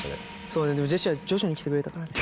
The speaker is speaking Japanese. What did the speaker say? そうねでもジェシーは徐々に来てくれたからね。